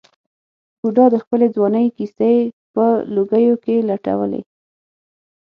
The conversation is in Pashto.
بوډا د خپلې ځوانۍ کیسې په لوګیو کې لټولې.